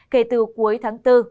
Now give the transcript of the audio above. kể từ cuối tháng bốn